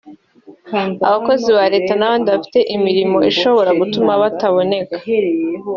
Abakozi ba Leta n’abandi bafite imirimo ishobora gutuma bataboneka